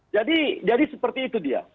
jadi jadi seperti itu dia